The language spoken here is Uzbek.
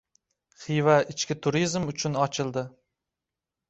Xiva ichki turizm uchun ochildi